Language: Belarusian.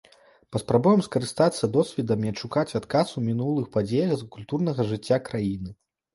Паспрабуем скарыстацца досведам і адшукаць адказ у мінулых падзеях з культурнага жыцця краіны.